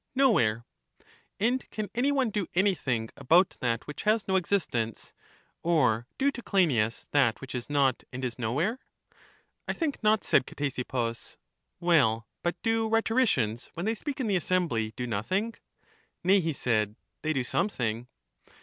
Nowhere. And can any one do anything about that which has 240 EUTHYDEMUS no existence, or do to Cleinias that which is not and is nowhere? I think not, said Ctesippus. Well, but do rhetoricians, when they speak in the assembly, do nothing? Nay, he said, they do something.